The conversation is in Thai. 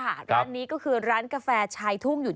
ร้านนี้ก็คือร้านกาแฟชายทุ่งอยู่